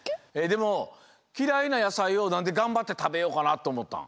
でもきらいなやさいをなんでがんばってたべようかなとおもったん？